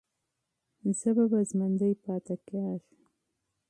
ژبه به ژوندۍ پاتې کېږي.